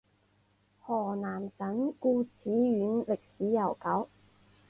河南省固始县历史悠久